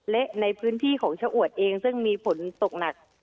และในพื้นที่ของชะอวดเองซึ่งมีฝนตกหนัก